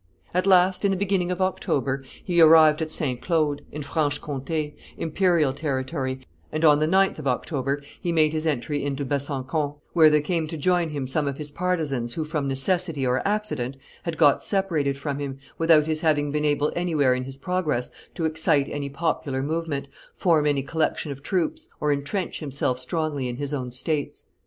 At last, in the beginning of October, he arrived at Saint Claude, in Franche Comte, imperial territory, and on the 9th of October he made his entry into Besancon, where there came to join him some of his partisans who from necessity or accident had got separated from him, without his having been able anywhere in his progress to excite any popular movement, form any collection of troops, or intrench himself strongly in his own states.